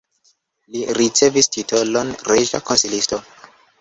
Li ricevis titolon reĝa konsilisto.